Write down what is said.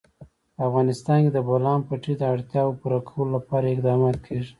په افغانستان کې د د بولان پټي د اړتیاوو پوره کولو لپاره اقدامات کېږي.